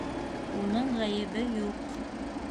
Уның ғәйебе юҡ.